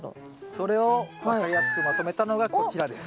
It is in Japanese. それを分かりやすくまとめたのがこちらです。